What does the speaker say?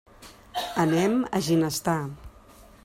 Anem a Ginestar.